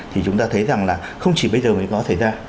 thì chúng ta thấy rằng là không chỉ bây giờ mới có xảy ra